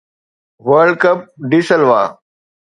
world cup de سلوا